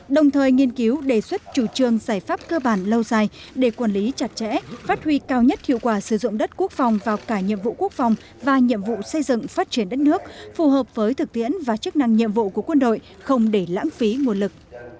đồng thời nghiên cứu đề xuất chủ trương giải pháp cơ bản lâu dài để quản lý chặt chẽ phát huy cao nhất hiệu quả sử dụng đất quốc phòng vào cả nhiệm vụ quốc phòng và nhiệm vụ xây dựng phát triển đất nước phù hợp với thực tiễn và chức năng nhiệm vụ của quân đội không để lãng phí nguồn lực